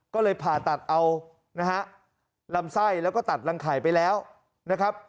ก็เลยผ่าตัดเอานะฮะลำไส้แล้วก็ตัดรังไข่ไปแล้วนะครับ